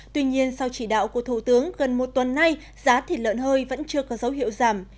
tuy nhiên sau chỉ đạo của thủ tướng gần một tuần nay giá thịt lợn hơi vẫn chưa có dấu hiệu giảm